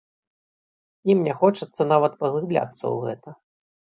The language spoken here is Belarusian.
Ім не хочацца нават паглыбляцца ў гэта.